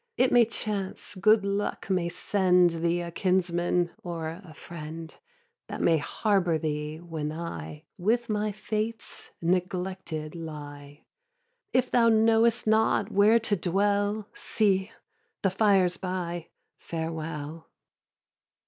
It may chance good luck may send Thee a kinsman or a friend, That may harbour thee, when I With my fates neglected lie. If thou know'st not where to dwell, See, the fire's by. Farewell!